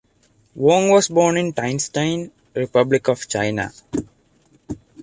Wong was born in Tientsin, Republic of China.